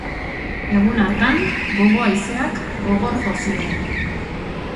Egun hartan, hego haizeak gogor jo zuen.